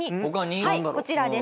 はいこちらです。